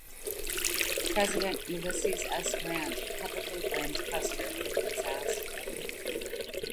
President Ulysses S. Grant publicly blamed Custer for the disaster.